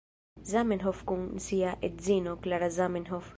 Zamenhof kun sia edzino, Klara Zamenhof.